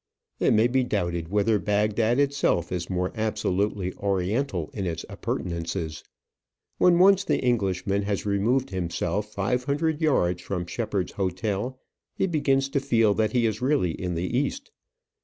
It may be doubted whether Bagdad itself is more absolutely oriental in its appurtenances. When once the Englishman has removed himself five hundred yards from Shepheard's hotel, he begins to feel that he is really in the East.